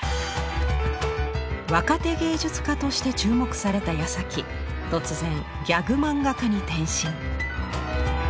若手芸術家として注目された矢先突然ギャグマンガ家に転身。